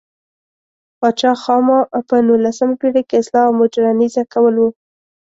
پاچا خاما په نولسمه پېړۍ کې اصلاح او مودرنیزه کول و.